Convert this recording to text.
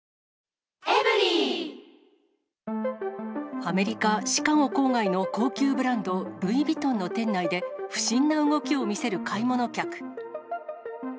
アメリカ・シカゴ郊外の高級ブランド、ルイ・ヴィトンの店内で、不審な動きを見せる買い物客。